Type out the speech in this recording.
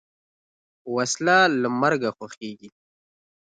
وسله له مرګه خوښیږي